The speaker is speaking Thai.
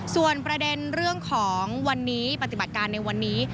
ส่วนประเด็นเรื่องของวันนี้ปฏิบัติการในวันนี้